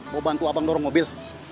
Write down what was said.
mau bantu abang dorong mobil